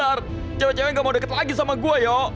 anak anak tidak mau lebih dekat dengan aku